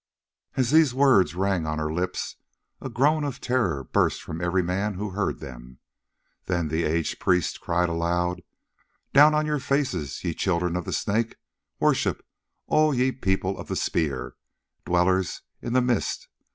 As these words rang on her lips a groan of terror burst from every man who heard them. Then the aged priest cried aloud: "Down upon your faces, ye Children of the Snake; Worship, all ye People of the Spear, Dwellers in the Mist!